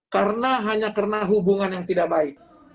karena hanya karena hubungan yang tidak baik